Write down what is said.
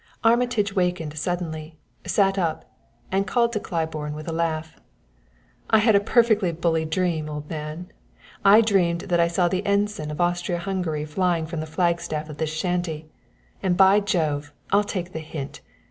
Armitage wakened suddenly, sat up and called to Claiborne with a laugh: "I had a perfectly bully dream, old man. I dreamed that I saw the ensign of Austria Hungary flying from the flag staff of this shanty; and by Jove, I'll take the hint!